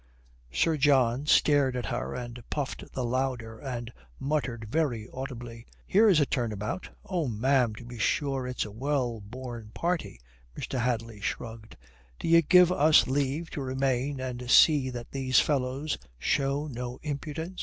Sir John stared at her and puffed the louder, and muttered very audibly, "Here's a turnabout!" "Oh, ma'am, to be sure it's a well born party," Mr. Hadley shrugged. "D'ye give us leave to remain and see that these fellows show no impudence?"